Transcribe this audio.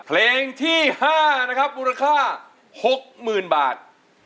เพลงที่๕นะครับมูลค่า๖๐๐๐บาท